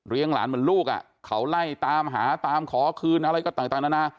หลานเหมือนลูกอ่ะเขาไล่ตามหาตามขอคืนอะไรก็ต่างนานา